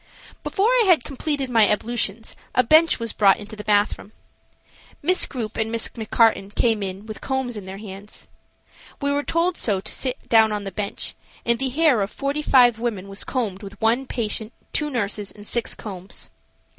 Before I had completed my ablutions a bench was brought into the bathroom. Miss Grupe and Miss McCarten came in with combs in their hands. We were told so sit down on the bench, and the hair of forty five women was combed with one patient, two nurses, and six combs.